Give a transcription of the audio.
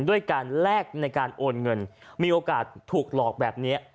ด้วยการแลกในการโอนเงินมีโอกาสถูกหลอกแบบนี้